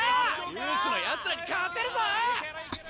ユースのやつらに勝てるぞ！